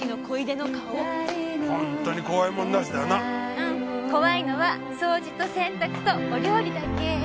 うん怖いのは掃除と洗濯とお料理だけ。